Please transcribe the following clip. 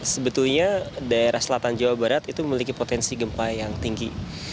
sebetulnya daerah selatan jawa barat itu memiliki potensi gempa yang tinggi